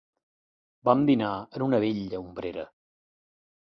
Vam dinar en una bella ombrera.